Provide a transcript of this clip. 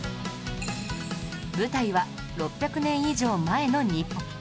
舞台は６００年以上前の日本